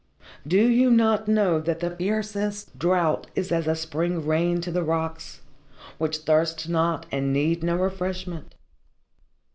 Do you not know that the fiercest drought is as a spring rain to the rocks, which thirst not and need no refreshment?"